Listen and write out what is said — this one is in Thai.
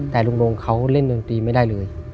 แต่ลุงลงเขาเล่นดนตรีไม่ได้เลย